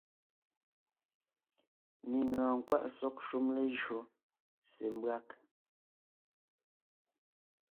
Nyìŋ lɔɔn nkwaʼ sɔ́g shúm lejÿó se mbÿág.